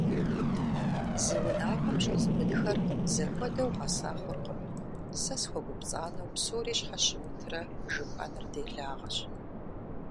Зы унагъуэм щӀэс бынхэр зэхуэдэу гъэса хъуркъым, сэ схуэгупцӀанэу псори щхьэ щымытрэ жыпӀэныр делагъэщ.